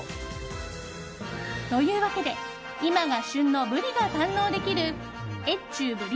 というわけで今が旬のブリが堪能できる越中ぶり